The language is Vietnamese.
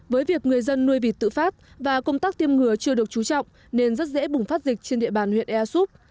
với việc người dân nuôi vịt tự phát và công tác tiêm ngừa chưa được chú trọng nên rất dễ bùng phát dịch trên địa bàn huyện ea súp